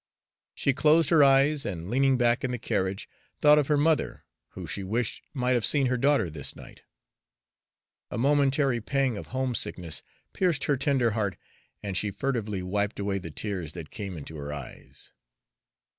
She closed her eyes, and, leaning back in the carriage, thought of her mother, who she wished might have seen her daughter this night. A momentary pang of homesickness pierced her tender heart, and she furtively wiped away the tears that came into her eyes.